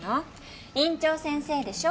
院長先生でしょ？